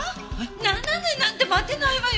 ７年なんて待てないわよ。